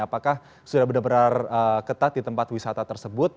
apakah sudah benar benar ketat di tempat wisata tersebut